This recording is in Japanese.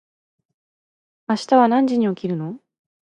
明日は何時に起きるの？